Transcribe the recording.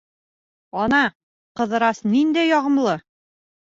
Ана, Ҡыҙырас ниндәй яғымлы.